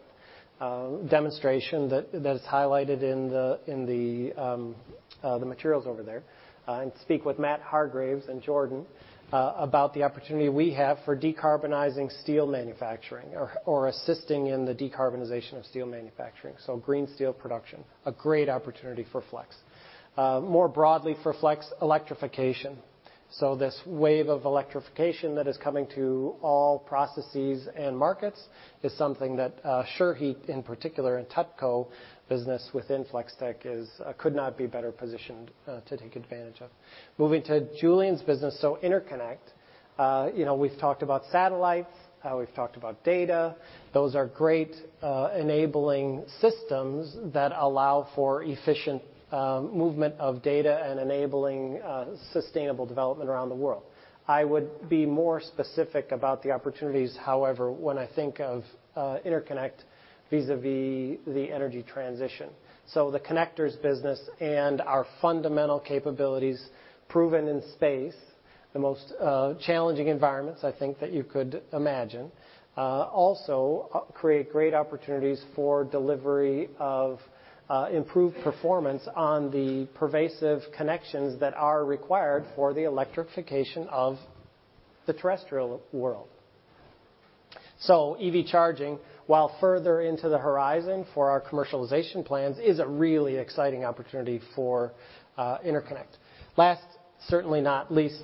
demonstration that is highlighted in the materials over there, and speak with Matt Hargreaves and Jordan about the opportunity we have for decarbonizing steel manufacturing or assisting in the decarbonization of steel manufacturing. Green steel production, a great opportunity for Flex. More broadly for Flex, electrification. This wave of electrification that is coming to all processes and markets is something that, SureHeat, in particular, and Tutco business within Flex-Tek is, could not be better positioned, to take advantage of. Moving to Julian's business, interconnect. You know, we've talked about satellites. We've talked about data. Those are great, enabling systems that allow for efficient, movement of data and enabling, sustainable development around the world. I would be more specific about the opportunities, however, when I think of, interconnect vis-à-vis the energy transition. The connectors business and our fundamental capabilities proven in space, the most challenging environments, I think, that you could imagine also create great opportunities for delivery of improved performance on the pervasive connections that are required for the electrification of the terrestrial world. EV charging, while further into the horizon for our commercialization plans, is a really exciting opportunity for interconnect. Last, certainly not least,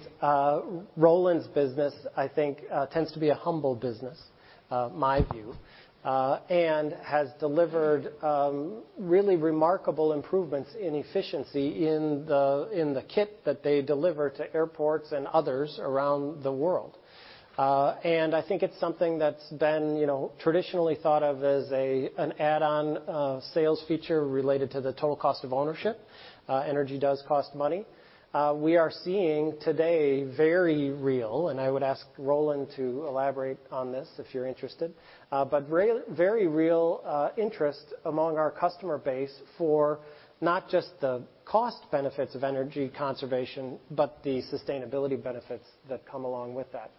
Roland's business, I think, tends to be a humble business, my view. Has delivered really remarkable improvements in efficiency in the kit that they deliver to airports and others around the world. I think it's something that's been, you know, traditionally thought of as an add-on sales feature related to the total cost of ownership. Energy does cost money. We are seeing today very real, and I would ask Roland to elaborate on this if you're interested, but very real interest among our customer base for not just the cost benefits of energy conservation, but the sustainability benefits that come along with that.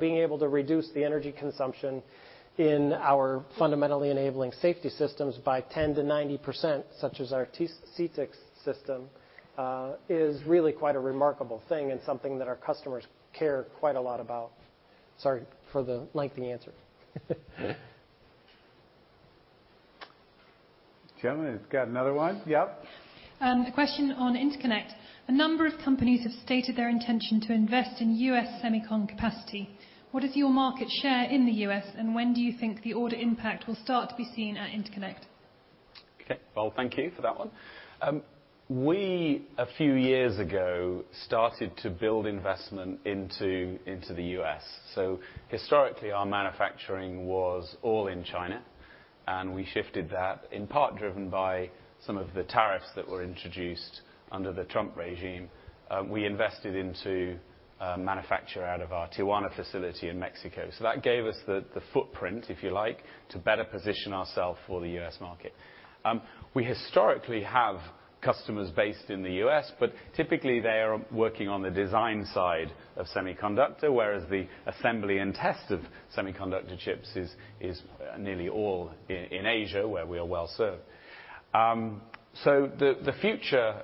Being able to reduce the energy consumption in our fundamentally enabling safety systems by 10%-90%, such as our CTX system, is really quite a remarkable thing and something that our customers care quite a lot about. Sorry for the lengthy answer. Gentlemen, got another one? Yep. A question on Interconnect. A number of companies have stated their intention to invest in U.S. semicon capacity. What is your market share in the U.S., and when do you think the order impact will start to be seen at Interconnect? Okay, well, thank you for that one. We a few years ago started to build investment into the U.S. Historically, our manufacturing was all in China, and we shifted that, in part driven by some of the tariffs that were introduced under the Trump regime. We invested into manufacture out of our Tijuana facility in Mexico. That gave us the footprint, if you like, to better position ourselves for the U.S. market. We historically have customers based in the U.S., but typically they are working on the design side of semiconductor, whereas the assembly and test of semiconductor chips is nearly all in Asia, where we are well-served. The future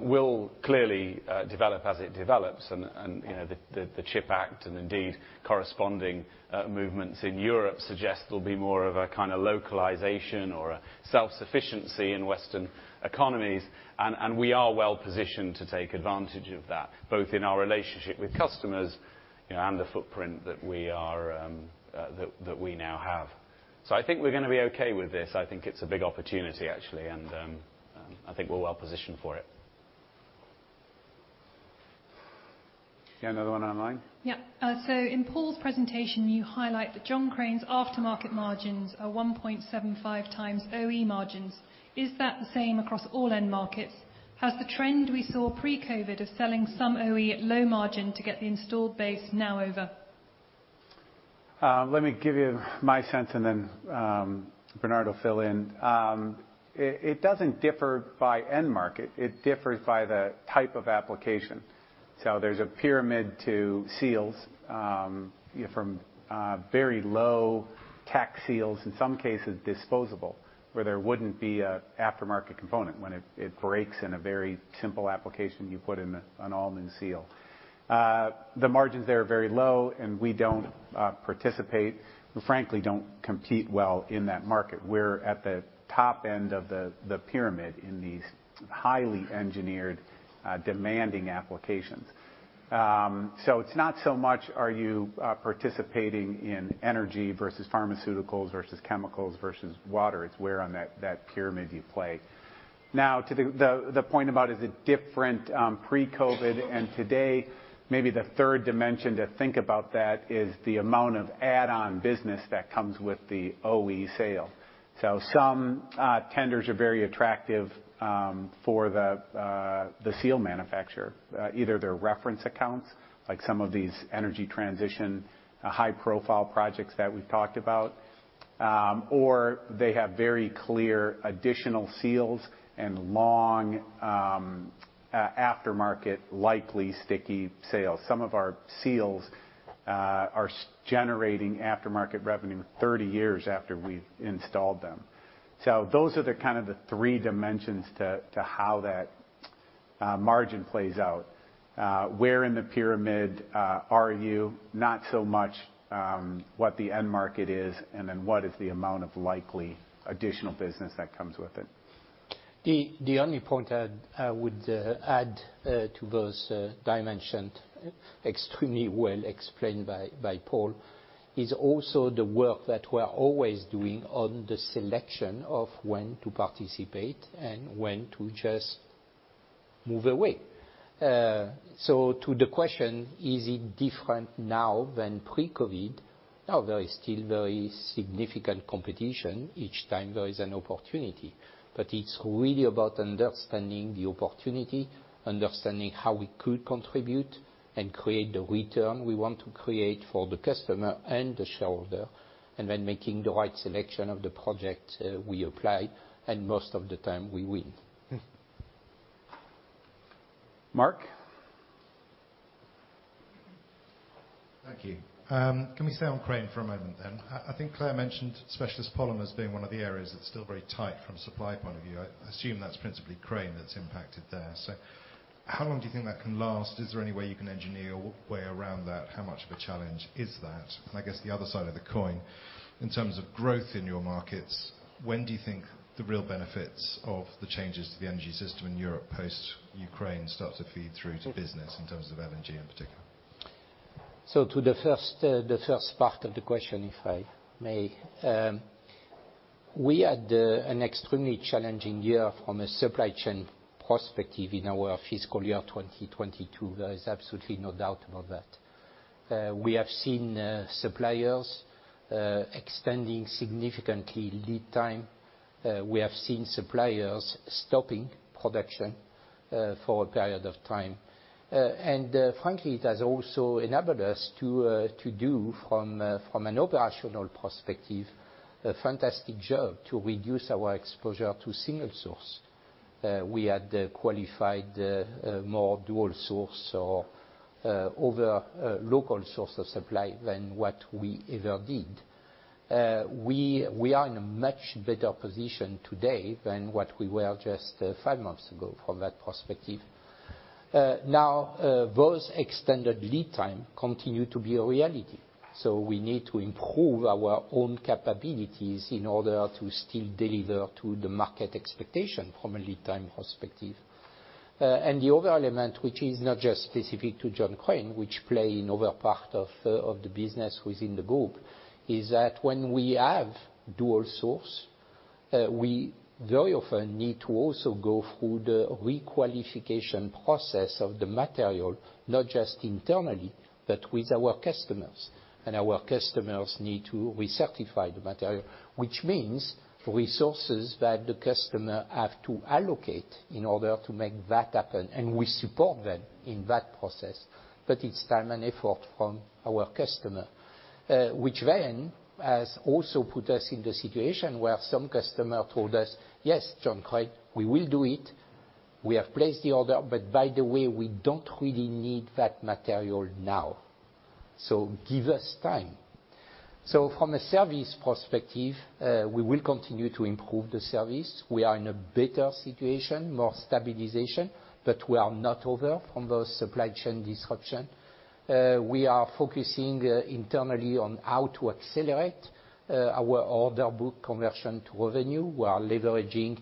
will clearly develop as it develops, and you know, the CHIPS Act and indeed corresponding movements in Europe suggest there'll be more of a kind of localization or a self-sufficiency in Western economies. We are well-positioned to take advantage of that, both in our relationship with customers, you know, and the footprint that we now have. I think we're gonna be okay with this. I think it's a big opportunity, actually. I think we're well-positioned for it. Got another one online? In Paul's presentation, you highlight that John Crane's aftermarket margins are 1.75x OE margins. Is that the same across all end markets? Has the trend we saw pre-COVID of selling some OE at low margin to get the installed base now over? Let me give you my sense, and then Bernard will fill in. It doesn't differ by end market. It differs by the type of application. There's a pyramid to seals, from very low tech seals, in some cases disposable, where there wouldn't be an aftermarket component. When it breaks in a very simple application, you put in an all-new seal. The margins there are very low, and we don't participate. We frankly don't compete well in that market. We're at the top end of the pyramid in these highly engineered, demanding applications. It's not so much are you participating in energy versus pharmaceuticals versus chemicals versus water. It's where on that pyramid you play. Now, to the point about, is it different pre-COVID and today? Maybe the third dimension to think about that is the amount of add-on business that comes with the OE sale. Some tenders are very attractive for the seal manufacturer. Either they're reference accounts, like some of these energy transition high-profile projects that we've talked about, or they have very clear additional seals and long aftermarket, likely sticky sales. Some of our seals are generating aftermarket revenue 30 years after we've installed them. Those are the kind of three dimensions to how that margin plays out. Where in the pyramid are you? Not so much what the end market is, and then what is the amount of likely additional business that comes with it. The only point I would add to those dimensions extremely well explained by Paul is also the work that we're always doing on the selection of when to participate and when to just move away. To the question, is it different now than pre-COVID? No, there is still very significant competition each time there is an opportunity. It's really about understanding the opportunity, understanding how we could contribute and create the return we want to create for the customer and the shareholder, and then making the right selection of the project we apply, and most of the time we win. Mark? Thank you. Can we stay on Crane for a moment then? I think Claire mentioned specialist polymers being one of the areas that's still very tight from a supply point of view. I assume that's principally Crane that's impacted there. How long do you think that can last? Is there any way you can engineer a way around that? How much of a challenge is that? I guess the other side of the coin, in terms of growth in your markets, when do you think the real benefits of the changes to the energy system in Europe post-Ukraine start to feed through to business in terms of LNG in particular? To the first part of the question, if I may. We had an extremely challenging year from a supply chain perspective in our fiscal year 2022. There is absolutely no doubt about that. We have seen suppliers extending significantly lead time. We have seen suppliers stopping production for a period of time. Frankly, it has also enabled us to do, from an operational perspective, a fantastic job to reduce our exposure to single source. We had qualified more dual source or other local source of supply than what we ever did. We are in a much better position today than what we were just five months ago from that perspective. Now, those extended lead times continue to be a reality, so we need to improve our own capabilities in order to still deliver to the market expectation from a lead time perspective. The other element, which is not just specific to John Crane, which plays in other parts of the business within the group, is that when we have dual source, we very often need to also go through the requalification process of the material, not just internally, but with our customers. Our customers need to recertify the material, which means resources that the customers have to allocate in order to make that happen, and we support them in that process. It's time and effort from our customer, which then has also put us in the situation where some customer told us, "Yes, John Crane, we will do it. We have placed the order, but by the way, we don't really need that material now, so give us time." From a service perspective, we will continue to improve the service. We are in a better situation, more stabilization, but we are not over from the supply chain disruption. We are focusing internally on how to accelerate our order book conversion to revenue. We are leveraging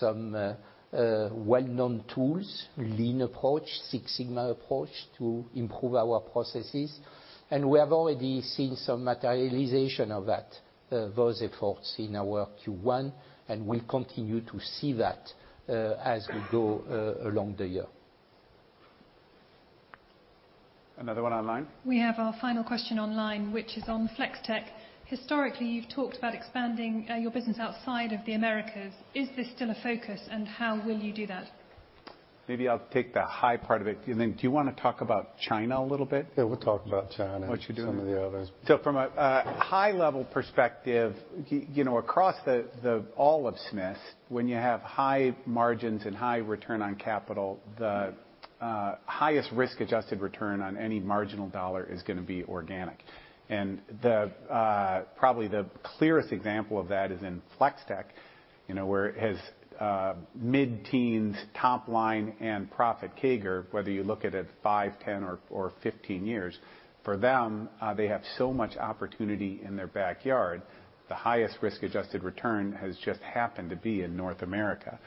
some well-known tools, Lean approach, Six Sigma approach, to improve our processes. We have already seen some materialization of that those efforts in our Q1, and we'll continue to see that as we go along the year. Another one online? We have our final question online, which is on Flex-Tek. Historically, you've talked about expanding your business outside of the Americas. Is this still a focus, and how will you do that? Maybe I'll take the high part of it. Do you wanna talk about China a little bit? Yeah, we'll talk about China. What you're doing. Some of the others. From a high-level perspective, you know, across all of Smiths, when you have high margins and high return on capital, the highest risk-adjusted return on any marginal dollar is gonna be organic. Probably the clearest example of that is in Flex-Tek, you know, where it has mid-teens top line and profit CAGR, whether you look at it five, 10 or 15 years. For them, they have so much opportunity in their backyard. The highest risk-adjusted return has just happened to be in North America.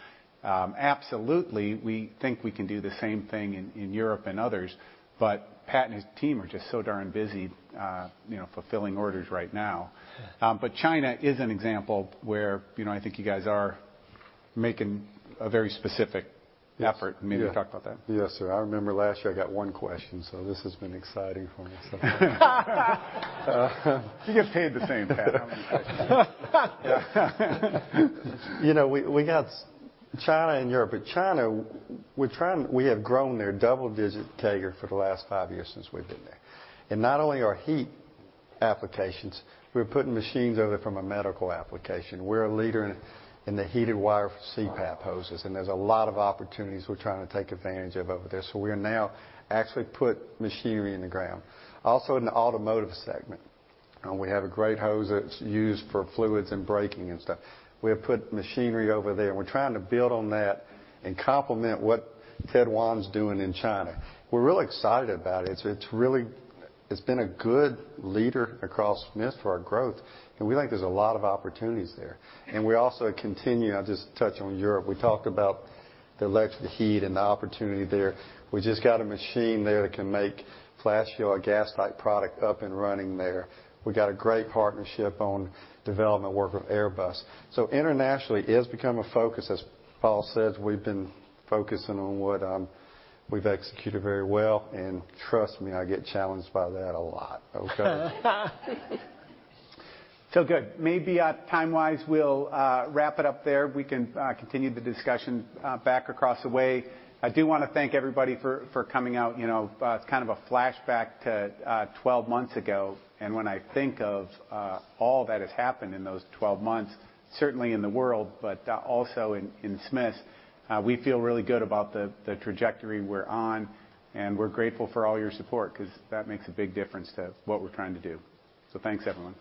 Absolutely, we think we can do the same thing in Europe and others, but Pat and his team are just so darn busy, you know, fulfilling orders right now. Yeah. China is an example where, you know, I think you guys are making a very specific effort. Yes. Yeah. Maybe talk about that. Yes, sir. I remember last year I got one question, so this has been exciting for me, so You get paid the same, Pat. I mean. You know, we got China and Europe. China, we have grown there double-digit CAGR for the last five years since we've been there. Not only are heat applications, we're putting machines over there from a medical application. We're a leader in the heated wire for CPAP hoses, and there's a lot of opportunities we're trying to take advantage of over there, so we're now actually put machinery in the ground. Also in the automotive segment, we have a great hose that's used for fluids and braking and stuff. We have put machinery over there. We're trying to build on that and complement what Ted Wan's doing in China. We're real excited about it. It's been a good leader across Smiths for our growth, and we think there's a lot of opportunities there. We also continue, I'll just touch on Europe, we talked about the electric heat and the opportunity there. We just got a machine there that can make FlashShield, a gas-type product, up and running there. We got a great partnership on development work with Airbus. Internationally, it has become a focus. As Paul says, we've been focusing on what we've executed very well. Trust me, I get challenged by that a lot. Okay. Good. Maybe, time-wise, we'll wrap it up there. We can continue the discussion back across the way. I do wanna thank everybody for coming out. You know, it's kind of a flashback to 12 months ago, and when I think of all that has happened in those 12 months, certainly in the world, but also in Smiths, we feel really good about the trajectory we're on, and we're grateful for all your support, 'cause that makes a big difference to what we're trying to do. Thanks, everyone.